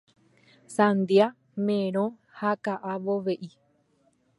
Sandia, merõ ha ka'avove'i